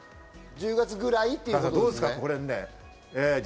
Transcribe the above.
１０月ぐらいということですね。